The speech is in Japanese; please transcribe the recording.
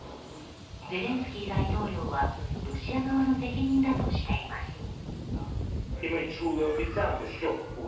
ゼレンスキー大統領はロシア側の責任だとしています。